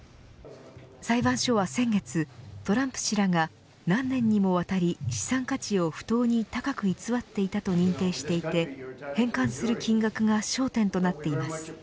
裁判所は先月トランプ氏らが何年にもわたり資産価値を不当に高く偽っていたと認定していて返還する金額が焦点となっています。